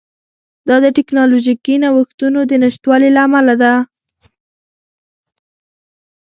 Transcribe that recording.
دا د ټکنالوژیکي نوښتونو د نشتوالي له امله ده